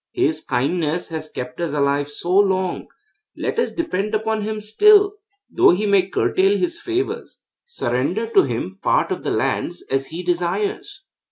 'His kindness has kept us alive so long; let us depend upon him still, though he may curtail his favours. Surrender to him part of the lands as he desires.'